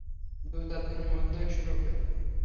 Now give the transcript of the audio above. দু-চার দিনের মধ্যেই শুরু হইল।